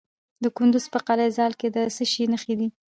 د کندز په قلعه ذال کې د څه شي نښې دي؟